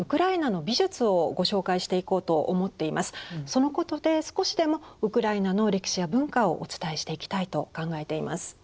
そのことで少しでもウクライナの歴史や文化をお伝えしていきたいと考えています。